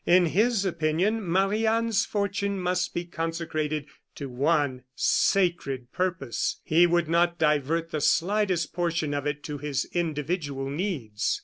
In his opinion, Marie Anne's fortune must be consecrated to one sacred purpose; he would not divert the slightest portion of it to his individual needs.